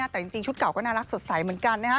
แต่จริงชุดเก่าก็น่ารักสดใสเหมือนกันนะครับ